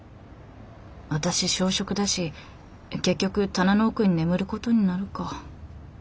私小食だし結局棚の奥に眠ることになるか。